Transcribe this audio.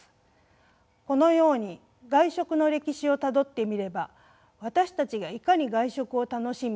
このように外食の歴史をたどってみれば私たちがいかに外食を楽しみ